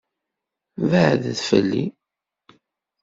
Beɛɛdet fell-i.